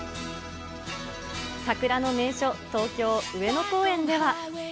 桜の名所、東京・上野公園では。